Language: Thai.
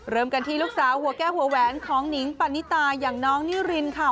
เริ่มกันที่ลูกสาวหัวแก้วหัวแหวนของหนิงปณิตาอย่างน้องนิรินค่ะ